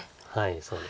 そうですね。